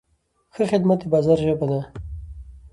ښه خدمت د بازار ژبه ده.